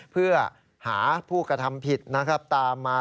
เพื่อหาผู้กระทำผิดนะครับตามมา